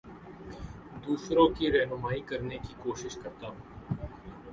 دوسروں کی رہنمائ کرنے کی کوشش کرتا ہوں